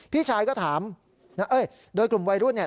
พี่ชายก็ถามโดยกลุ่มวัยรุ่นนี่